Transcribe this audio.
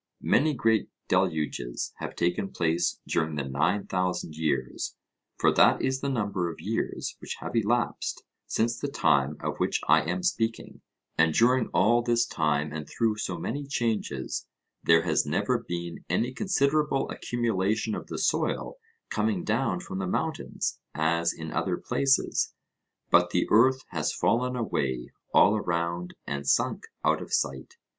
Many great deluges have taken place during the nine thousand years, for that is the number of years which have elapsed since the time of which I am speaking; and during all this time and through so many changes, there has never been any considerable accumulation of the soil coming down from the mountains, as in other places, but the earth has fallen away all round and sunk out of sight.